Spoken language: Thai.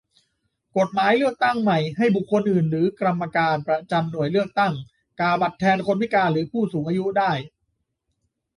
กฎหมายเลือกตั้งใหม่ ให้บุคคลอื่นหรือกรรมการประจำหน่วยเลือกตั้ง กาบัตรแทนคนพิการหรือผู้สูงอายุได้